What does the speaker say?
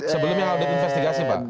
sebelumnya audit investigasi pak